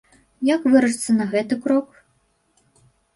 Як вырашыцца на гэты крок?